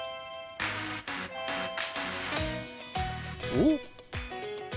おっ！